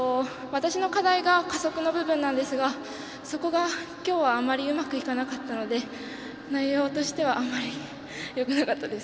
私の課題が加速の部分ですがそこが今日はまりうまくいかなかったので内容としてはあまりよくなかったです。